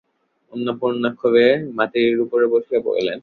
অন্নপূর্ণা ক্ষোভে মাটির উপর বসিয়া পড়িলেন।